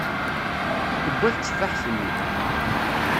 Tewwa tetteffaḥt-nni.